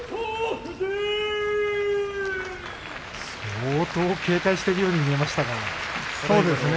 相当、警戒してるように見えましたが。